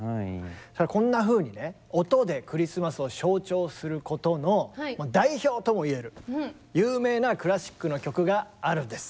こんなふうにね音でクリスマスを象徴することの代表ともいえる有名なクラシックの曲があるんです。